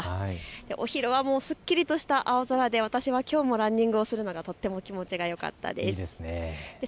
お昼はすっきりとした青空で私はきょうもランニングをするのがとても気持ちよかったです。